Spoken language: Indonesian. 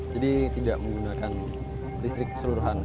jadi tidak menggunakan listrik seluruhan